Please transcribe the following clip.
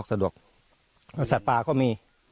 สะดวกสัตว์ป่าก็มี